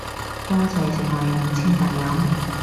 多謝盛惠五千大洋